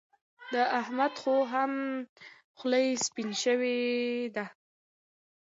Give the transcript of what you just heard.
د احمد خو هم ډېر خلي سپين شوي دي.